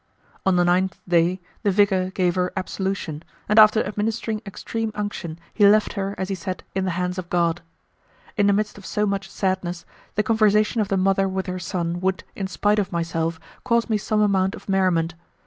On the ninth day, the vicar gave her absolution, and after administering extreme unction, he left her, as he said, in the hands of God. In the midst of so much sadness, the conversation of the mother with her son, would, in spite of myself, cause me some amount of merriment.